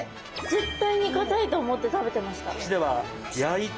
絶対にかたいと思って食べてました。